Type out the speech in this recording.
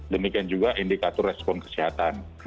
demikian juga indikator respon kesehatan